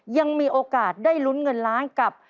ยังมีโอกาสได้ลุ้นเงินล้านกับ